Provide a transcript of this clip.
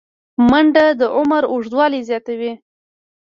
منډه د عمر اوږدوالی زیاتوي